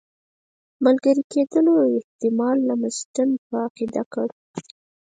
ملګري کېدلو احتمال لمسډن په عقیده کړ.